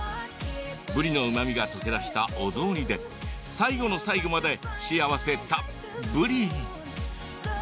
ぶりのうまみが溶け出したお雑煮で最後の最後まで幸せたっ「ぶり」。